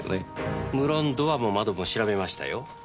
無論ドアも窓も調べましたよ。